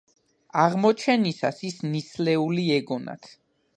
აღმოჩენისას ის ნისლეული ეგონათ.